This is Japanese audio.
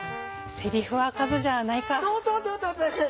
セリフは数じゃないか。